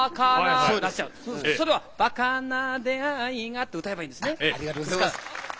それは「馬鹿な出いが」って歌えばいいんですね。